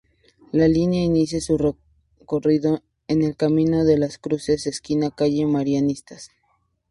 La línea inicia su recorrido en el Camino de las Cruces esquina calle Marianistas.